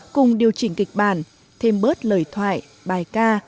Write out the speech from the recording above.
cùng điều chỉnh kịch bản thêm bớt lời thoại bài ca